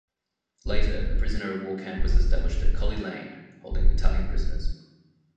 Later a prisoner of war camp was established at Colley Lane, holding Italian prisoners.